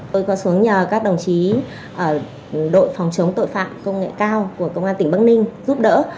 tôi có xuống nhờ các đồng chí đội phòng chống tội phạm công nghệ cao của công an tỉnh bắc ninh giúp đỡ